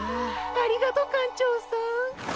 ありがとう館長さん。